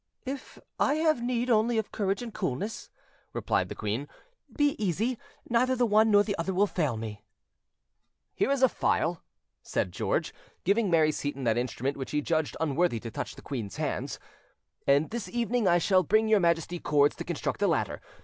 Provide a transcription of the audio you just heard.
"If I have need only of courage and coolness," replied the queen, "be easy; neither the one nor the other will fail me." "Here is a file," said George, giving Mary Seyton that instrument which he judged unworthy to touch the queen's hands, "and this evening I shall bring your Majesty cords to construct a ladder.